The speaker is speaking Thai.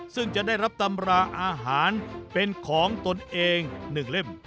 ซึ่งจะได้รับตำราอาหารเป็นของตนเอง๑เล่ม